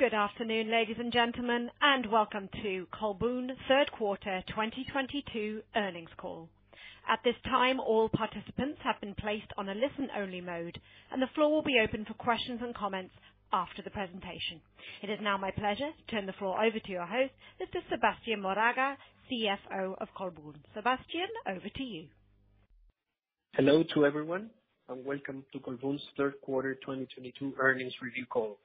Good afternoon, ladies and gentlemen, and welcome to Colbún Third Quarter 2022 earnings call. At this time, all participants have been placed on a listen-only mode, and the floor will be open for questions and comments after the presentation. It is now my pleasure to turn the floor over to your host, Mr. Sebastián Moraga, CFO of Colbún. Sebastián, over to you. Hello to everyone, and welcome to Colbún's third quarter 2022 earnings review call.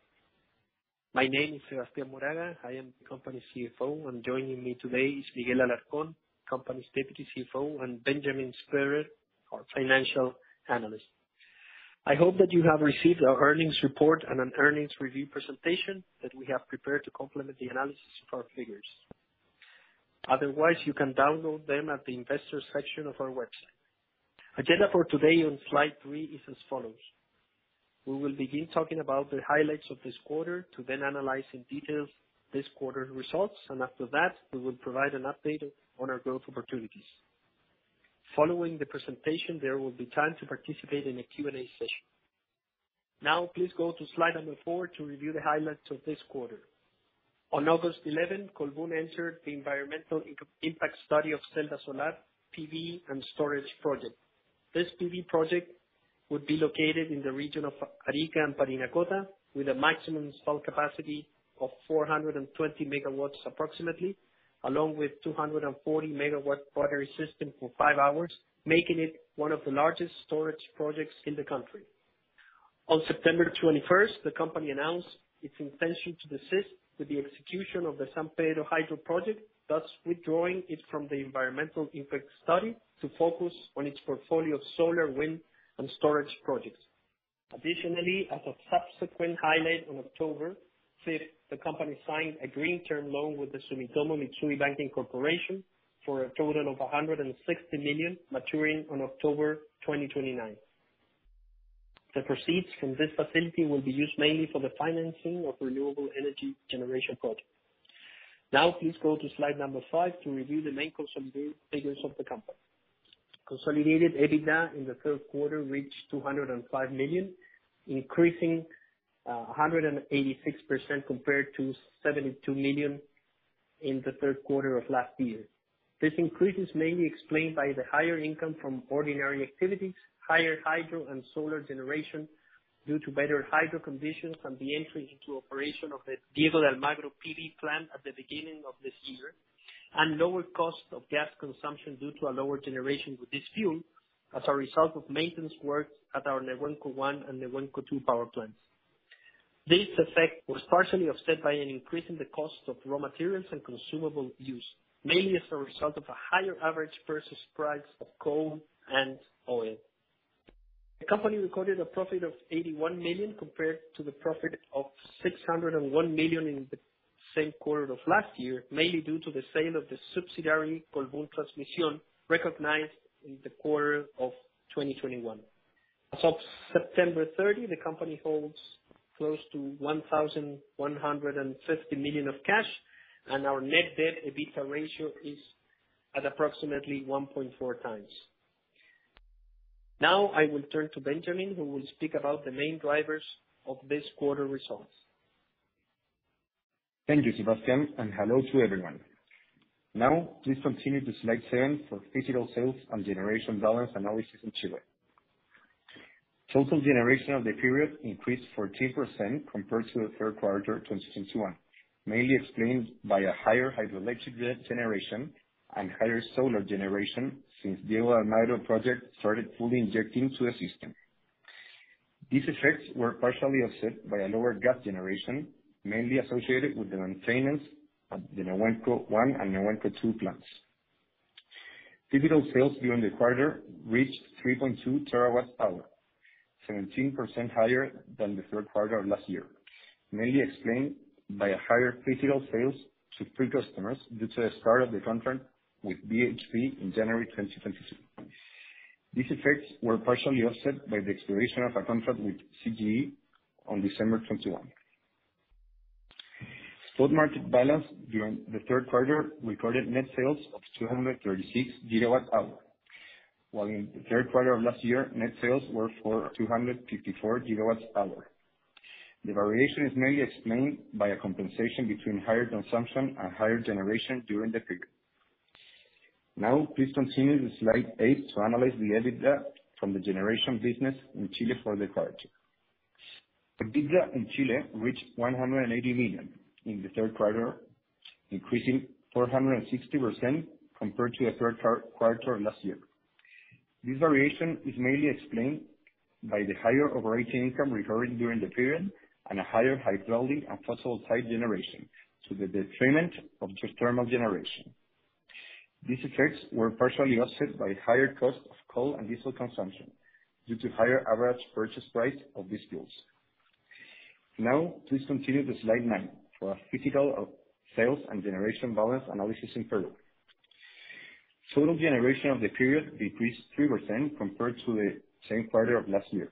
My name is Sebastián Moraga. I am the company's CFO, and joining me today is Miguel Alarcón, the company's Deputy CFO, and Benjamín Sperry, our financial analyst. I hope that you have received our earnings report and an earnings review presentation that we have prepared to complement the analysis of our figures. Otherwise, you can download them at the investor section of our website. Agenda for today on slide 3 is as follows. We will begin talking about the highlights of this quarter, to then analyze in detail this quarter's results, and after that, we will provide an update on our growth opportunities. Following the presentation, there will be time to participate in a Q&A session. Now, please go to slide number 4 to review the highlights of this quarter. On August 11, Colbún entered the environmental impact study of Celda Solar PV and storage project. This PV project would be located in the Region of Arica and Parinacota with a maximum installed capacity of 420 MW approximately, along with 240 MW battery system for 5 hours, making it one of the largest storage projects in the country. On September 21, the company announced its intention to desist from the execution of the San Pedro hydro project, thus withdrawing it from the environmental impact study to focus on its portfolio of solar, wind, and storage projects. Additionally, as a subsequent highlight, on October 5, the company signed a green term loan with the Sumitomo Mitsui Banking Corporation for a total of $160 million, maturing on October 2029. The proceeds from this facility will be used mainly for the financing of renewable energy generation projects. Now, please go to slide number 5 to review the main consolidated figures of the company. Consolidated EBITDA in the third quarter reached $205 million, increasing 186% compared to $72 million in the third quarter of last year. This increase is mainly explained by the higher income from ordinary activities, higher hydro and solar generation due to better hydro conditions and the entry into operation of the Diego de Almagro PV plant at the beginning of this year, and lower cost of gas consumption due to a lower generation with this fuel as a result of maintenance works at our Nehuenco One and Nehuenco Two power plants. This effect was partially offset by an increase in the cost of raw materials and consumable use, mainly as a result of a higher average purchase price of coal and oil. The company recorded a profit of 81 million, compared to the profit of 601 million in the same quarter of last year, mainly due to the sale of the subsidiary Colbún Transmisión, recognized in the quarter of 2021. As of September 30, the company holds close to 1,150 million of cash, and our net debt to EBITDA ratio is at approximately 1.4 times. Now, I will turn to Benjamin, who will speak about the main drivers of this quarter results. Thank you, Sebastian, and hello to everyone. Now, please continue to slide 7 for physical sales and generation balance analysis in Chile. Total generation of the period increased 14% compared to the third quarter 2021, mainly explained by a higher hydroelectric generation and higher solar generation since Diego de Almagro project started fully injecting to the system. These effects were partially offset by a lower gas generation, mainly associated with the maintenance of the Nehuenco One and Nehuenco Two plants. Physical sales during the quarter reached 3.2 TWh, 17% higher than the third quarter of last year, mainly explained by a higher physical sales to free customers due to the start of the contract with BHP in January 2022. These effects were partially offset by the expiration of a contract with CGE on December 2021. Spot market balance during the third quarter recorded net sales of 236 GWh, while in the third quarter of last year, net sales were for 254 GWh. The variation is mainly explained by a compensation between higher consumption and higher generation during the period. Now, please continue to slide eight to analyze the EBITDA from the generation business in Chile for the quarter. EBITDA in Chile reached 180 million in the third quarter, increasing 460% compared to the third quarter of last year. This variation is mainly explained by the higher operating income recurring during the period and a higher hydropower and fossil type generation to the detriment of geothermal generation. These effects were partially offset by higher cost of coal and diesel consumption due to higher average purchase price of these fuels. Please continue to slide nine for a physicals of sales and generation balance analysis in Peru. Total generation of the period decreased 3% compared to the same quarter of last year,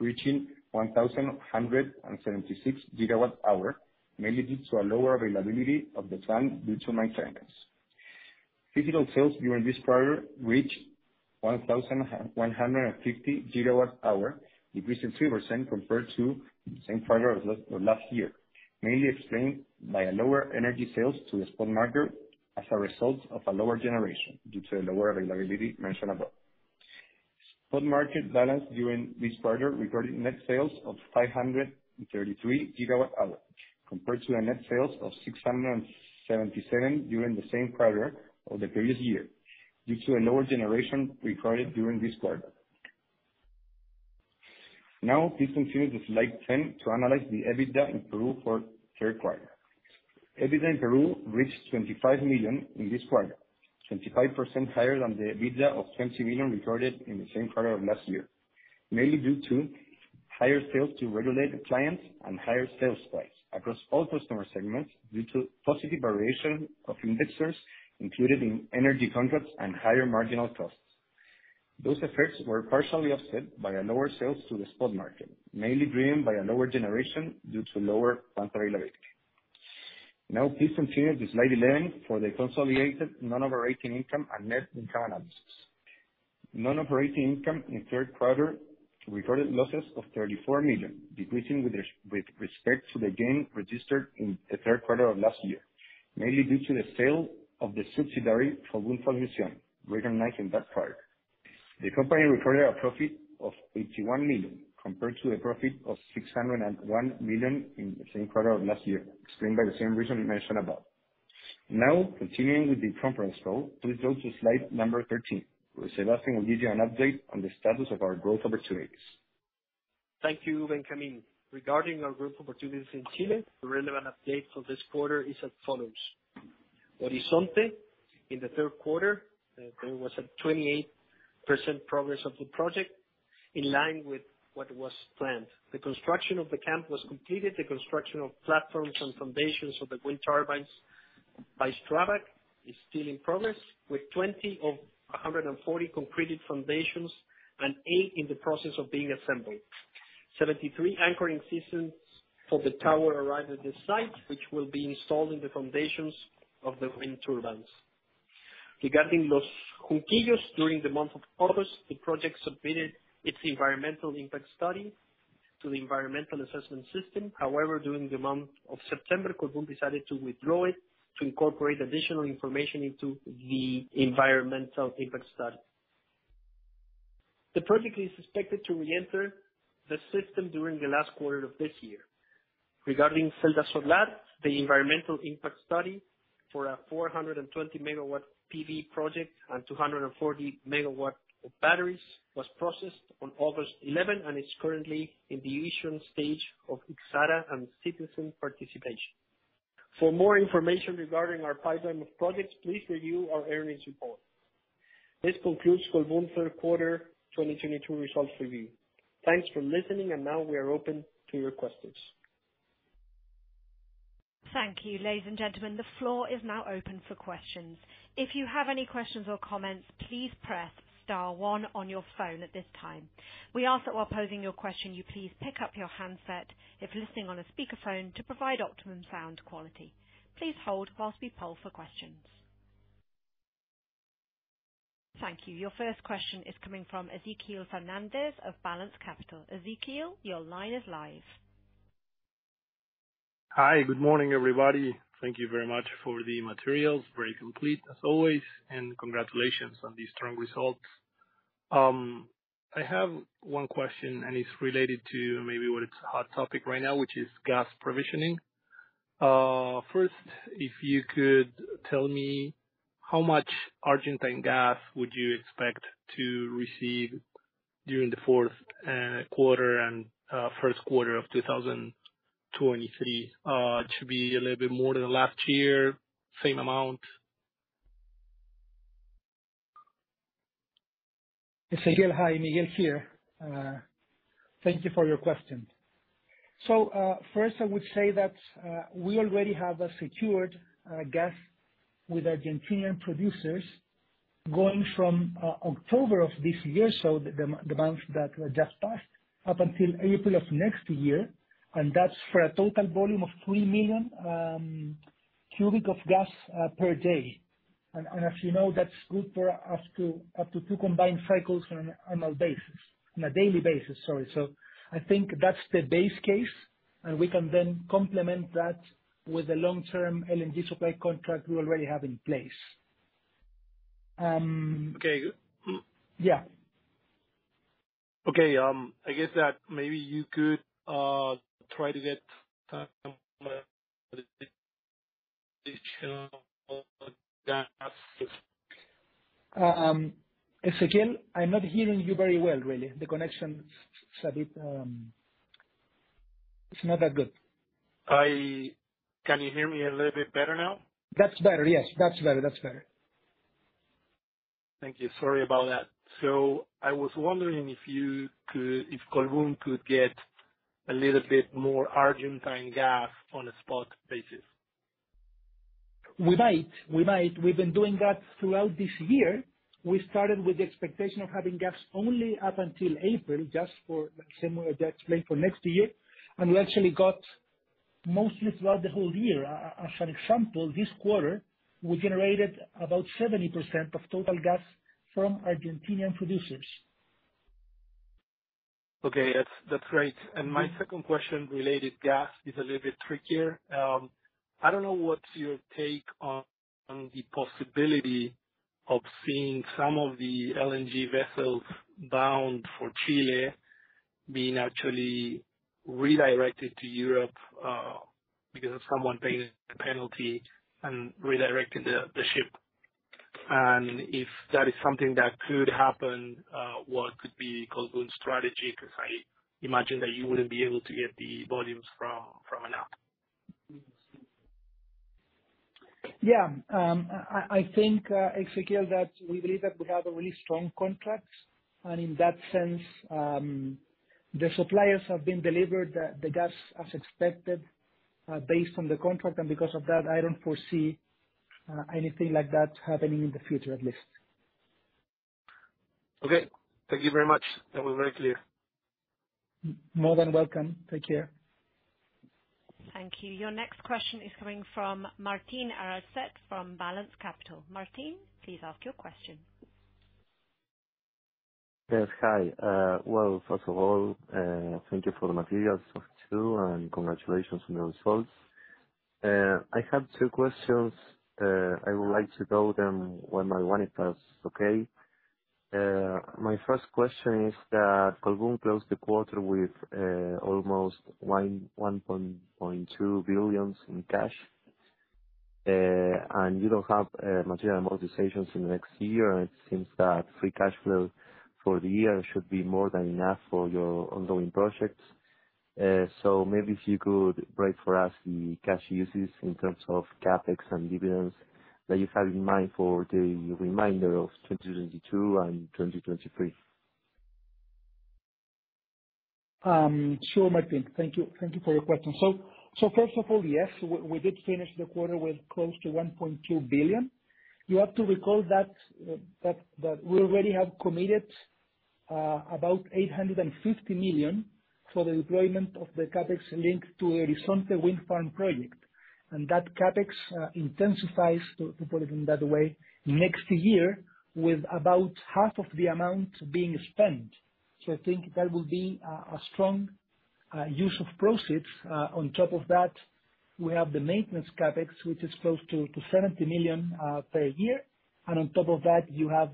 reaching 1,176 GWh, mainly due to a lower availability of the plant due to maintenance. Physical sales during this quarter reached 1,150 GWh, increasing 3% compared to the same quarter of last year, mainly explained by a lower energy sales to the spot market as a result of a lower generation due to the lower availability mentioned above. Spot market balance during this quarter recorded net sales of 533 GWh, compared to the net sales of 677 GWh during the same quarter of the previous year, due to a lower generation recorded during this quarter. Now please continue to slide 10 to analyze the EBITDA in Peru for third quarter. EBITDA in Peru reached $25 million in this quarter, 25% higher than the EBITDA of $20 million recorded in the same quarter of last year, mainly due to higher sales to regulated clients and higher sales price across all customer segments due to positive variation of indexes included in energy contracts and higher marginal costs. Those effects were partially offset by a lower sales to the spot market, mainly driven by a lower generation due to lower plant availability. Now please continue to slide 11 for the consolidated non-operating income and net income analysis. Non-operating income in third quarter recorded losses of $34 million, decreasing with respect to the gain registered in the third quarter of last year, mainly due to the sale of the subsidiary, Colbún Transmisión, recognized in that quarter. The company recorded a profit of 81 million, compared to a profit of 601 million in the same quarter of last year, explained by the same reason mentioned above. Now, continuing with the conference call, please go to slide number 13, where Sebastián will give you an update on the status of our growth opportunities. Thank you, Benjamín. Regarding our growth opportunities in Chile, the relevant update for this quarter is as follows: Horizonte, in the third quarter, there was 28% progress of the project, in line with what was planned. The construction of the camp was completed. The construction of platforms and foundations of the wind turbines by STRABAG is still in progress, with 20 of 140 completed foundations and 8 in the process of being assembled. 73 anchoring systems for the tower arrived at the site, which will be installed in the foundations of the wind turbines. Regarding Los Junquillos, during the month of August, the project submitted its Environmental Impact Study to the Environmental Impact Assessment System. However, during the month of September, Colbún decided to withdraw it to incorporate additional information into the Environmental Impact Study. The project is expected to reenter the system during the last quarter of this year. Regarding Celda Solar, the Environmental Impact Study for a 420-megawatt PV project and 240-megawatt of batteries was processed on August 11, and is currently in the issuance stage of ex ante and citizen participation. For more information regarding our pipeline of projects, please review our earnings report. This concludes Colbún third quarter 2022 results review. Thanks for listening, and now we are open to your questions. Thank you. Ladies and gentlemen, the floor is now open for questions. If you have any questions or comments, please press star one on your phone at this time. We ask that while posing your question you please pick up your handset if listening on a speakerphone to provide optimum sound quality. Please hold while we poll for questions. Thank you. Your first question is coming from Ezequiel Fernández of Balanz Capital. Ezequiel, your line is live. Hi. Good morning, everybody. Thank you very much for the materials. Very complete, as always, and congratulations on these strong results. I have one question, and it's related to maybe what is a hot topic right now, which is gas provisioning. First, if you could tell me how much Argentine gas would you expect to receive during the fourth quarter and first quarter of 2023. It should be a little bit more than last year, same amount? Ezequiel, hi. Miguel here. Thank you for your question. First, I would say that we already have a secured gas with Argentine producers going from October of this year, so the months that just passed, up until April of next year, and that's for a total volume of 3 million cubic of gas per day. As you know, that's good for up to 2 combined cycles on an annual basis. On a daily basis, sorry. I think that's the base case. We can then complement that with the long-term LNG supply contract we already have in place. Okay. Yeah. Okay. I guess that maybe you could try to get some additional gas. Ezequiel, I'm not hearing you very well, really. The connection's a bit. It's not that good. Can you hear me a little bit better now? That's better. Thank you. Sorry about that. I was wondering if Colbún could get a little bit more Argentine gas on a spot basis? We might. We've been doing that throughout this year. We started with the expectation of having gas only up until April, just for the same way that I explained for next year. We actually got Mostly throughout the whole year. As an example, this quarter, we generated about 70% of total gas from Argentinian producers. Okay. That's great. My second question related to gas is a little bit trickier. I don't know what's your take on the possibility of seeing some of the LNG vessels bound for Chile being actually redirected to Europe, because of someone paying a penalty and redirecting the ship. If that is something that could happen, what could be Colbún's strategy? Because I imagine that you wouldn't be able to get the volumes from Enap. Yeah. I think, E zequiel, that we believe that we have a really strong contract, and in that sense, the suppliers have been delivered the gas as expected, based on the contract. Because of that, I don't foresee anything like that happening in the future, at least. Okay. Thank you very much. That was very clear. More than welcome. Take care. Thank you. Your next question is coming from Martín Arancet from Balanz Capital. Martín, please ask your question. Yes. Hi. Well, first of all, thank you for the materials too, and congratulations on the results. I have two questions. I would like to know them one by one, if that's okay. My first question is that Colbún closed the quarter with almost 1.2 billion in cash. And you don't have material amortizations in the next year, and it seems that free cash flow for the year should be more than enough for your ongoing projects. Maybe if you could break down for us the cash uses in terms of CapEx and dividends that you have in mind for the remainder of 2022 and 2023. Sure, Martín. Thank you for your question. First of all, yes, we did finish the quarter with close to 1.2 billion. You have to recall that we already have committed about 850 million for the deployment of the CapEx linked to the Horizonte wind farm project. That CapEx intensifies, to put it in that way, next year with about half of the amount being spent. I think that will be a strong use of proceeds. On top of that, we have the maintenance CapEx, which is close to 70 million per year. On top of that, you have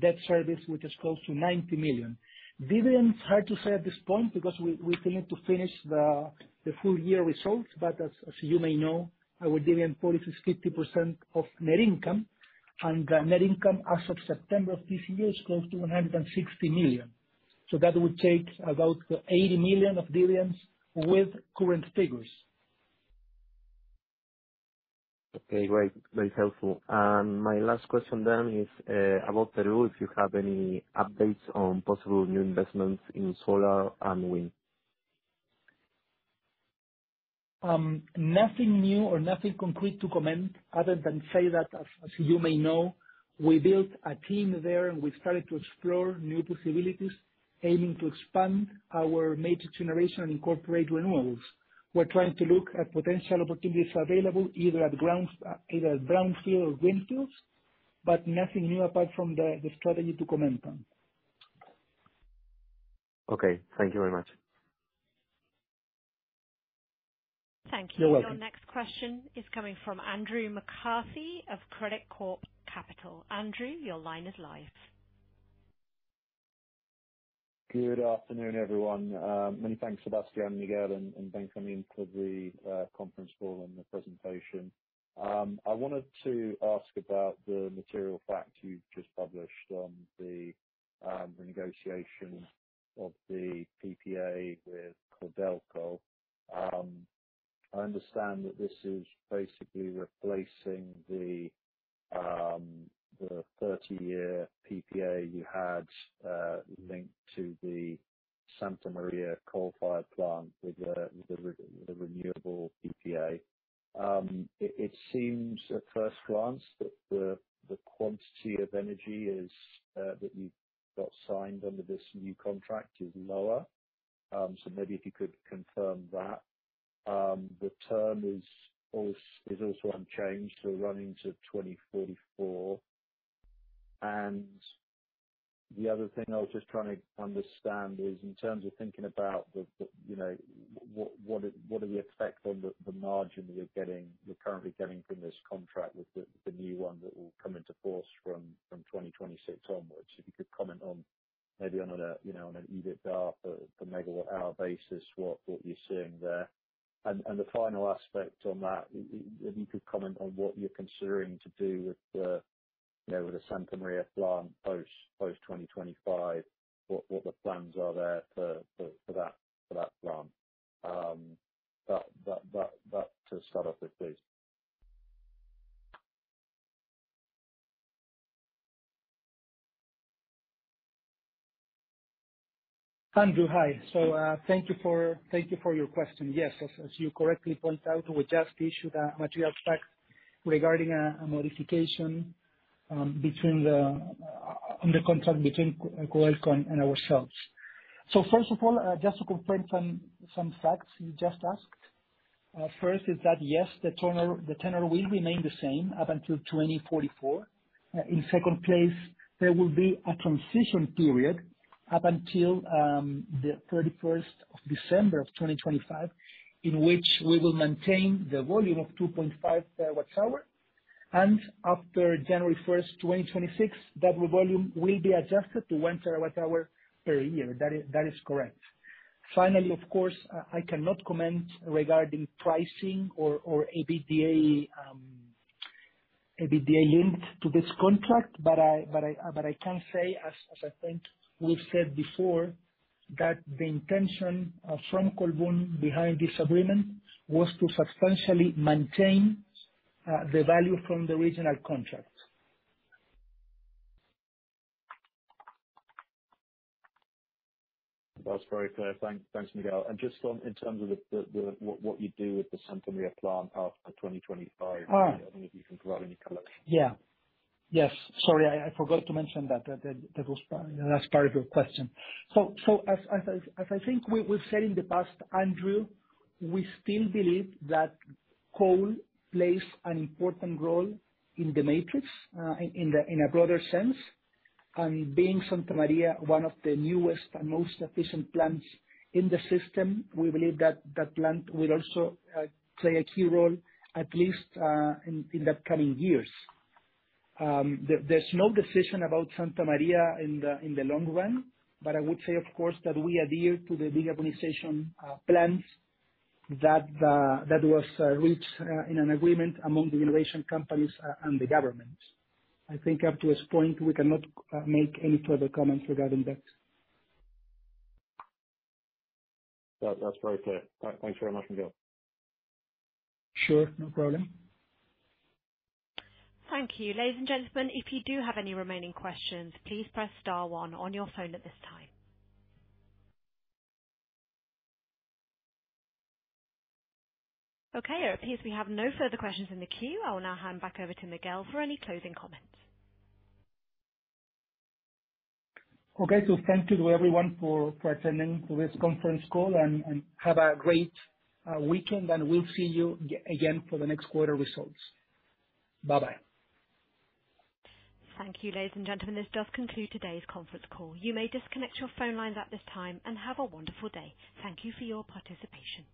debt service, which is close to 90 million. Dividends, hard to say at this point because we still need to finish the full year results, but as you may know, our dividend policy is 50% of net income. The net income as of September of this year is close to $160 million. That would take about $80 million of dividends with current figures. Okay, great. Very helpful. My last question then is about Peru, if you have any updates on possible new investments in solar and wind? Nothing new or nothing concrete to comment other than say that as you may know, we built a team there, and we've started to explore new possibilities, aiming to expand our major generation and incorporate renewables. We're trying to look at potential opportunities available either at brownfield or greenfield, but nothing new apart from the strategy to comment on. Okay, thank you very much. You're welcome. Thank you. Your next question is coming from Andrew McCarthy of Credicorp Capital. Andrew, your line is live. Good afternoon, everyone. Many thanks, Sebastián, Miguel Alarcón, and thanks for the conference call and the presentation. I wanted to ask about the material fact you've just published on the negotiation of the PPA with Codelco. I understand that this is basically replacing the 30-year PPA you had linked to the Santa Maria coal-fired plant with the renewable PPA. It seems at first glance that the quantity of energy that you've got signed under this new contract is lower. So maybe if you could confirm that. The term is also unchanged, so running to 2044. The other thing I was just trying to understand is in terms of thinking about the, you know, what do we expect on the margin that you're getting, you're currently getting from this contract with the new one that will come into force from 2026 onwards? If you could comment on maybe on a, you know, on an EBITDA for the megawatt-hour basis, what you're seeing there. The final aspect on that, if you could comment on what you're considering to do with the, you know, with the Santa Maria plant post 2025, what the plans are there for that plant. That to start off with, please. Andrew, hi. Thank you for your question. Yes, as you correctly point out, we just issued a material fact regarding a modification on the contract between Codelco and ourselves. First of all, just to confirm some facts you just asked. First is that, yes, the tenure will remain the same up until 2044. In second place, there will be a transition period up until the thirty-first of December of 2025, in which we will maintain the volume of 2.5 terawatt-hour. After January 1, 2026, that volume will be adjusted to 1 terawatt-hour per year. That is correct. Finally, of course, I cannot comment regarding pricing or EBITDA linked to this contract, but I can say, as I think we've said before, that the intention from Colbún behind this agreement was to substantially maintain the value from the original contract. That's very clear. Thanks, Miguel. Just on, in terms of the what you do with the Santa Maria plant after 2025- Ah. I don't know if you can provide any color. Yes. Sorry, I forgot to mention that. That was the last part of your question. As I think we've said in the past, Andrew, we still believe that coal plays an important role in the matrix in a broader sense. Being Santa Maria one of the newest and most efficient plants in the system, we believe that plant will also play a key role, at least in the coming years. There's no decision about Santa Maria in the long run, but I would say, of course, that we adhere to the decarbonization plans that was reached in an agreement among the generation companies and the government. I think up to this point, we cannot make any further comments regarding that. That's very clear. Thanks very much, Miguel. Sure. No problem. Thank you. Ladies and gentlemen, if you do have any remaining questions, please press star one on your phone at this time. Okay, it appears we have no further questions in the queue. I will now hand back over to Miguel for any closing comments. Okay. Thank you to everyone for attending to this conference call, and have a great weekend, and we'll see you again for the next quarter results. Bye-bye. Thank you, ladies and gentlemen. This does conclude today's conference call. You may disconnect your phone lines at this time, and have a wonderful day. Thank you for your participation.